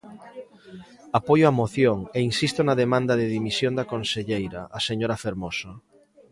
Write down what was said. Apoio a moción e insisto na demanda de dimisión da conselleira, a señora Fermoso.